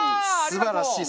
すばらしい。